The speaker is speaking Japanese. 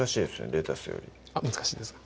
レタスより難しいですか？